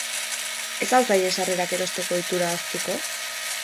Ez al zaie sarrerak erosteko ohitura ahaztuko?